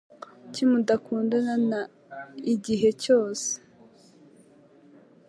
Kuki mukundana na igihe cyose?